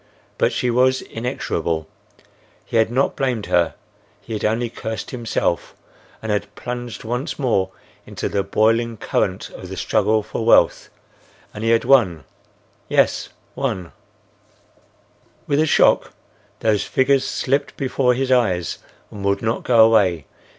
But she was inexorable. He had not blamed her, he had only cursed himself, and had plunged once more into the boiling current of the struggle for wealth. And he had won—yes, won! With a shock those figures slipped before his eyes and would not go away.